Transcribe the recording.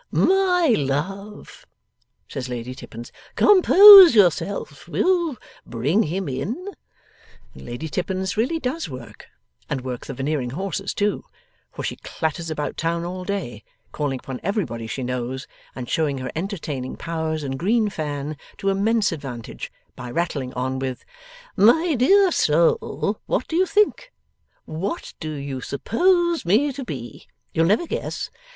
'My love,' says Lady Tippins, 'compose yourself; we'll bring him in.' And Lady Tippins really does work, and work the Veneering horses too; for she clatters about town all day, calling upon everybody she knows, and showing her entertaining powers and green fan to immense advantage, by rattling on with, My dear soul, what do you think? What do you suppose me to be? You'll never guess.